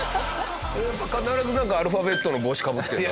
必ずなんかアルファベットの帽子かぶってるんだね。